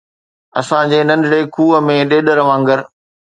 اسان جي ننڍڙي کوهه ۾ ڏيڏر وانگر